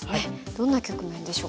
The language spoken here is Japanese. どんな局面でしょうか。